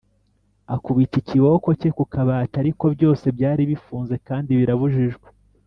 akubita ikiboko cye ku kabati, ariko byose byari bifunze kandi birabujijwe;